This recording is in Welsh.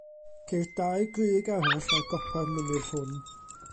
Ceir dau grug arall ar gopa'r mynydd hwn.